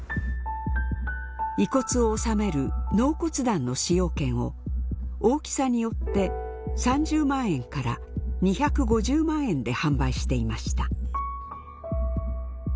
遺骨を納める納骨壇の使用権を大きさによって３０万円から２５０万円で販売していました。